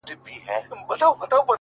اچيل یې ژاړي ـ مړ یې پېزوان دی ـ